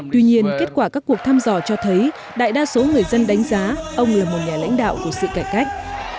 tuy nhiên kết quả các cuộc thăm dò cho thấy đại đa số người dân đánh giá ông là một nhà lãnh đạo của sự cải cách